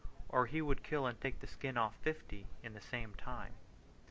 Or he would kill and take the skin off fifty in the same time.